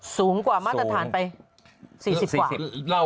สูงกว่ามาตรฐานไป๔๐กว่า